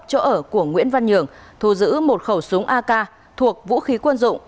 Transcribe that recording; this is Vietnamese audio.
chỗ ở của nguyễn văn nhường thu giữ một khẩu súng ak thuộc vũ khí quân dụng